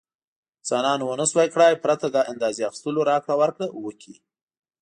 انسانانو ونشو کړای پرته له اندازې اخیستلو راکړه ورکړه وکړي.